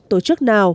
tổ chức nào